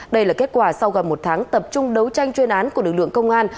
đây là kết quả sau gần một tháng tập trung đấu tranh chuyên án của lực lượng công an